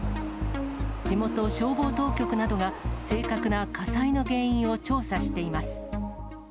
地元消防当局などが、正確な火災の原因を調査しています。